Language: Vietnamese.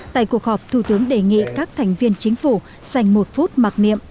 tại cuộc họp thủ tướng đề nghị các thành viên chính phủ dành một phút mặc niệm